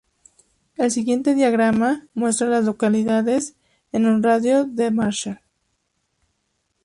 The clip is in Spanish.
El siguiente diagrama muestra a las localidades en un radio de de Marshall.